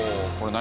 何？